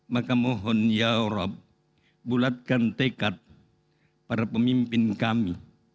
maka mohon ya rab bulatkan tekad para pemimpin kami